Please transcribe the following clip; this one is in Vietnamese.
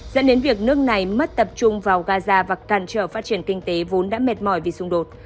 dẫn đến việc nước này mất tập trung vào gaza và càn trở phát triển kinh tế vốn đã mệt mỏi vì xung đột